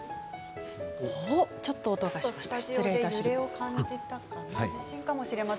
ちょっと音がしましたね。